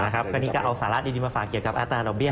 ครับคราวนี้ก็เอาสารรัฐดีมาฝากเกี่ยวกับแอร์ตราดอกเบี้ย